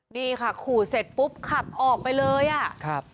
นี่ค่ะขู่เสร็จปุ๊บขับออกไปเลยอ่ะครับ